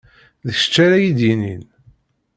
D kečč ara iyi-d-yinin.